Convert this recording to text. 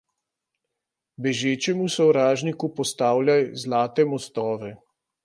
Bežečemu sovražniku postavljaj zlate mostove.